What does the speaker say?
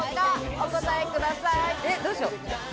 お答えください。